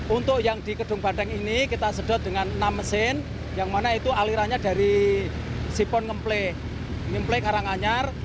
untuk yang di kedung banteng ini kita sedot dengan enam mesin yang mana itu alirannya dari sipon ngeplek ngeplek harang anyar